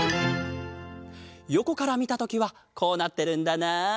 よこからみたときはこうなってるんだなあ。